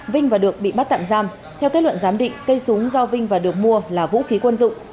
vinh và được bị bắt tạm giam theo kết luận giám định cây súng do vinh và được mua là vũ khí quân dụng